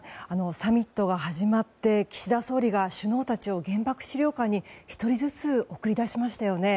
サミットが始まって岸田総理が首脳たちを原爆資料館に１人ずつ送り出しましたよね。